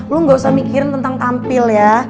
lu gak usah mikirin tentang tampil ya